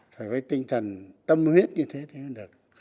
phải với tinh thần tâm huyết như thế thế mới được